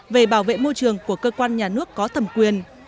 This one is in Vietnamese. về bảo vệ môi trường của cơ quan nhà nước có thẩm quyền